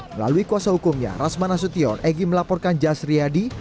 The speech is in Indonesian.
melalui kuasa hukumnya rasman nasution egy melaporkan jasriyadi